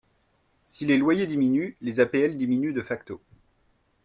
Si les loyers diminuent, les APL diminuent de facto.